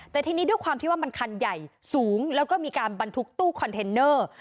แต่ทีนี้ด้วยความที่ว่ามันคันใหญ่สูงแล้วก็มีการบรรทุกตู้คอนเทนเนอร์